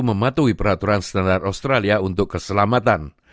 mematuhi peraturan standar australia untuk keselamatan